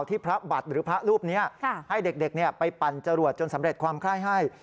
ที่พระบัตรหรือพระรูปเนี้ยค่ะให้เด็กเนี้ยไปปั่นจรวดจนสำเร็จความคล่ายให้